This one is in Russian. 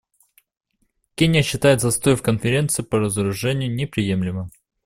Кения считает застой в Конференции по разоружению неприемлемым.